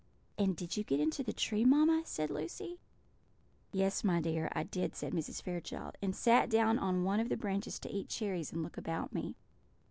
'" "And did you get into the tree, mamma?" said Lucy. "Yes, my dear, I did," said Mrs. Fairchild; "and sat down on one of the branches to eat cherries and look about me."